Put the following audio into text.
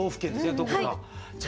どこか。